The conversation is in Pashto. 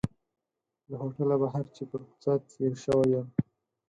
له هوټله بهر چې پر کوڅه تېر شوی یم.